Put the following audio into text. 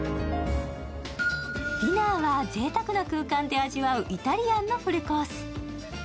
ディナーはぜいたくな空間で味わうイタリアンのフルコース。